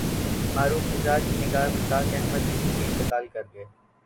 معروف مزاح نگار مشتاق احمد یوسفی انتقال کرگئے